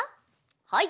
はい。